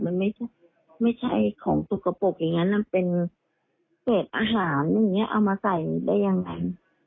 มันไม่ใช่ของสกปรกอย่างนั้นเป็นเศษอาหารอย่างนี้เอามาใส่ได้ยังไง